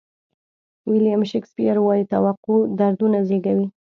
ویلیام شکسپیر وایي توقع دردونه زیږوي.